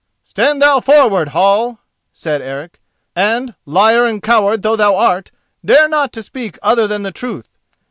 "Stand thou forward, Hall!" said Eric, "and liar and coward though thou art, dare not to speak other than the truth!